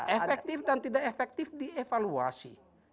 efektif dan tidak efektif dievaluasi